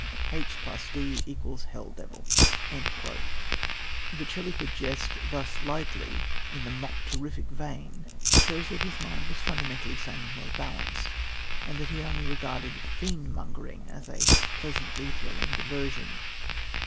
H + D=Hell Devil." That Shelley could jest thus lightly in the mock terrific vein shows that his mind was fundamentally sane and well balanced, and that he only regarded "fiendmongering" as a pleasantly thrilling diversion.